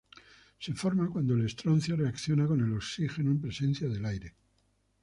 Se forma cuando el estroncio reacciona con el oxígeno en presencia de aire.